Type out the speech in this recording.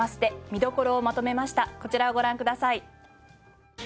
こちらをご覧ください。